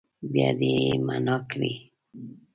بیا دې يې معنا کړي.